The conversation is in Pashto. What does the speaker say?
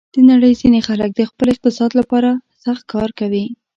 د نړۍ ځینې خلک د خپل اقتصاد لپاره سخت کار کوي.